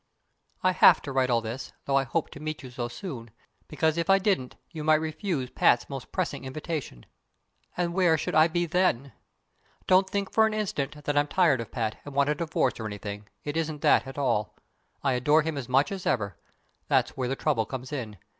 I have to write all this, though I hope to meet you so soon; because if I didn't, you might refuse Pat's most pressing invitation. And where should I be then? Don't think for an instant that I'm tired of Pat, and want a divorce or anything. It isn't that at all. I adore him as much as ever. That's where the trouble comes in!